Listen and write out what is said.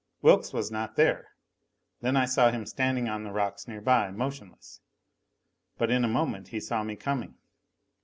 Wilks was not there. Then I saw him standing on the rocks nearby, motionless. But in a moment he saw me coming.